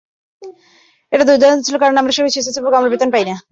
এটা দুর্দান্ত ছিল, কারণ আমরা সবাই স্বেচ্ছাসেবক, আমরা বেতন পাই না।